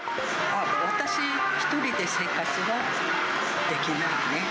私１人で生活はできないね。